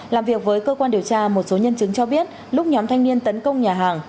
làm việc với cơ quan điều tra một số nhân chứng cho biết lúc nhóm thanh niên tấn công nhà hàng